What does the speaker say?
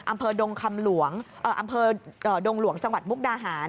อำเภอดงหลวงจังหวัดมุกดาหาร